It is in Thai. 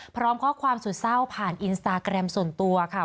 พร้อมข้อความสุดเศร้าผ่านอินสตาแกรมส่วนตัวค่ะ